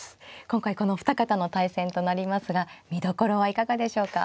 今回このお二方の対戦となりますが見どころはいかがでしょうか。